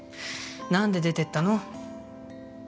何で出てったの？